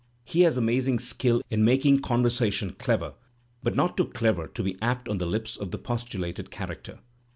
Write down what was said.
He has amazing skill in making conversation clever, but not too clever to be ap t on the lips of tne po stulated character.